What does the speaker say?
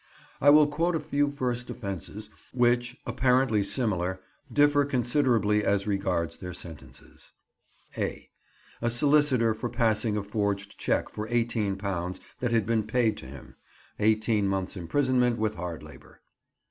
I will quote a few first offences which, apparently similar, differ considerably as regards their sentences:— (a) A solicitor for passing a forged cheque for £18 that had been paid to him: 18 months' imprisonment with hard labour.